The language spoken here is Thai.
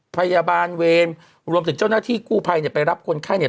พยาบาลเวรรวมถึงเจ้าหน้าที่กู้ภัยเนี่ยไปรับคนไข้เนี่ย